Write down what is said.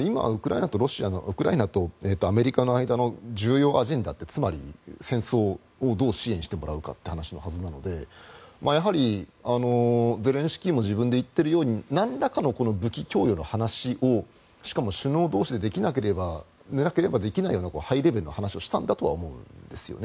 今、ウクライナとアメリカの間の重要アジェンダってつまり戦争をどう支援してもらうかっていう話のはずなのでやはりゼレンスキーも自分で言っているようになんらかの武器供与の話をしかも首脳同士でなければできないようなハイレベルな話をしたんだとは思うんですよね。